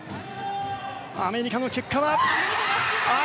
アメリカの結果は。